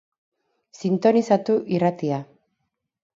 Sintonizatu irratia.